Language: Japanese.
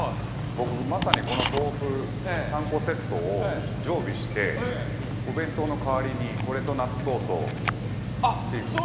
僕、まさに、この豆腐３個セットを常備して、お弁当の代わりにこれと納豆とっていう風に。